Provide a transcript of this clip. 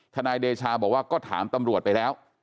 นายเดชาบอกว่าก็ถามตำรวจไปแล้ว